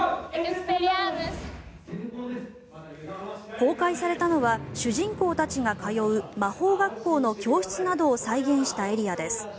公開されたのは主人公たちが通う魔法学校の教室などを再現したエリアです。